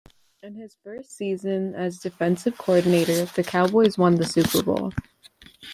In his first season as defensive coordinator, the Cowboys won the Super Bowl.